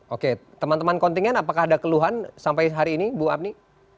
oke teman teman kontingen apakah ada keluhan sampai hari ini bu apni